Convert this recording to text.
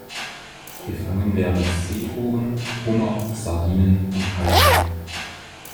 Gefangen werden Seeohren, Hummer, Sardinen und Haie.